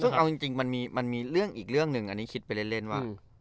ซึ่งเอาจริงมันมีเรื่องอีกเรื่องหนึ่งอันนี้คิดไปเล่นว่า